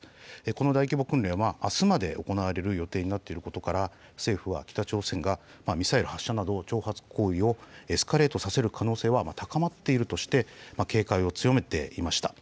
この大規模訓練はあすまで行われる予定になっていることから、政府は北朝鮮がミサイル発射などの挑発行為をエスカレートさせる可能性は高まっているとして、警戒を強めていました。